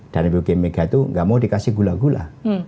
dan ibu g mega itu nggak mau dikasih gula gula